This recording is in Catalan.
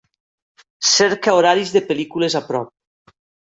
Cerca horaris de pel·lícules a prop.